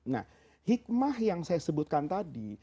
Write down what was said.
nah hikmah yang saya sebutkan tadi